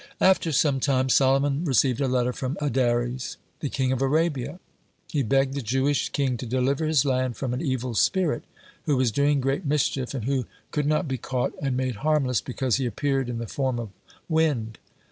After some time, Solomon received a letter from Adares, the king of Arabia. He begged the Jewish king to deliver his land from an evil spirit, who was doing great mischief, and who could not be caught and made harmless, because he appeared in the form of wind.